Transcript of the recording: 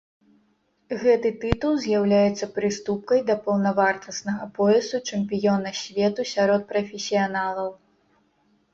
Гэты тытул з'яўляецца прыступкай да паўнавартаснага поясу чэмпіёна свету сярод прафесіяналаў.